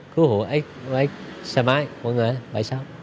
cứu hữu xe máy